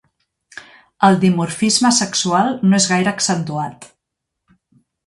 El dimorfisme sexual no és gaire accentuat.